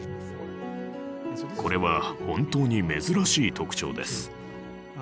これは本当に珍しい特徴です。